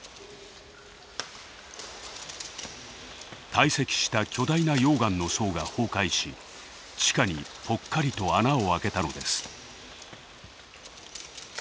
堆積した巨大な溶岩の層が崩壊し地下にぽっかりと穴を開けたのです。